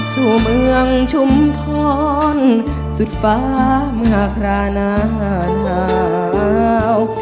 สู่เมืองชุมพรสุดฟ้าเมื่อครานานหนาว